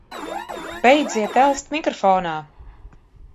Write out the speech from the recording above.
Beidziet elst mikrofonā!